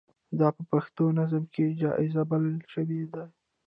دا په پښتو نظم کې جائز بلل شوي دي.